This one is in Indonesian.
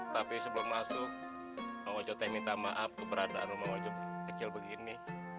tapi sebelum masuk bang hojo saya minta maaf keberadaan rumah hojo kecil begini